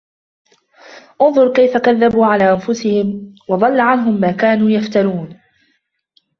انظر كيف كذبوا على أنفسهم وضل عنهم ما كانوا يفترون